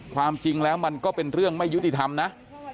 ความจริงแล้วมันก็เป็นเรื่องไม่ยุติธรรมนะ